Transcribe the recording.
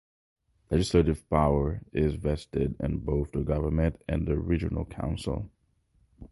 Legislative power is vested in both the government and the Regional Council.